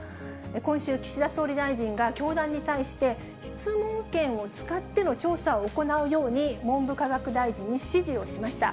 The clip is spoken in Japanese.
今週、岸田総理大臣が教団に対して、質問権を使っての調査を行うように、文部科学大臣に指示をしました。